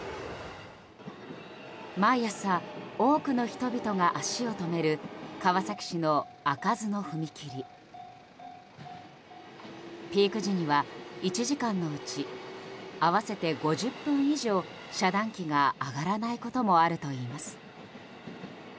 毎朝、多くの人々が足を止める川崎市の開かずの踏切。ピーク時には、１時間のうち合わせて５０分以上遮断機が上がらないこともあるといいます。